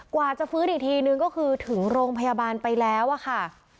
กว่าจะฟื้นอีกทีนึงก็คือถึงโรงพยาบาลไปแล้วอะค่ะ